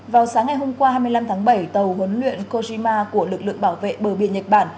vào sáng ngày hôm qua hai mươi năm tháng bảy tàu huấn luyện kojima của lực lượng bảo vệ bờ biển nhật bản